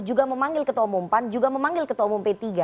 juga memanggil ketua umum pan juga memanggil ketua umum p tiga